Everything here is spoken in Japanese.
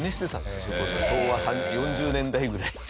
それこそ昭和４０年代ぐらい。